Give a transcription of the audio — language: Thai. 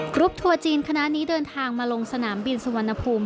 รุปทัวร์จีนคณะนี้เดินทางมาลงสนามบินสุวรรณภูมิ